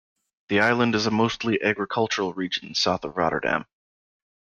The island is a mostly agricultural region, south of Rotterdam.